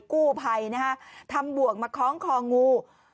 กู้ภัยนะฮะทำบ่วงมาคล้องคองู